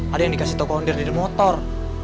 ada yang dikasih toko under di motor